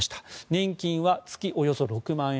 年金は月およそ６万円